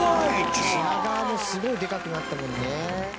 田中：品川もすごいでかくなったもんね。